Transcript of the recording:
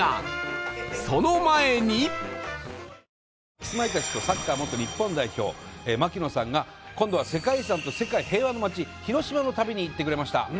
キスマイたちとサッカー元日本代表槙野さんが今度は世界遺産と世界平和の街広島の旅に行ってくれました。